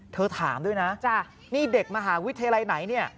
เธอถามด้วยนะนี่เด็กมหาวิทยาลัยไหน